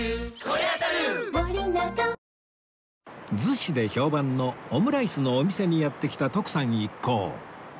逗子で評判のオムライスのお店にやって来た徳さん一行